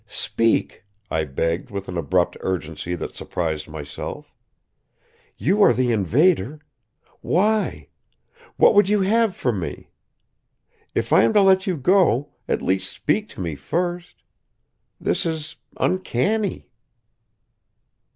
"Speak!" I begged, with an abrupt urgency that surprised myself. "You are the invader. Why? What would you have from me? If I am to let you go, at least speak to me, first! This is uncanny."